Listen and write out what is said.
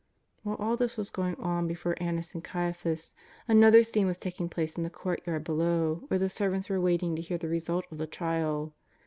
While all this was going on before Annas and Caia phas, another scene was taking place in the courtyard below where the servants were waiting to hear the re sult of the trial.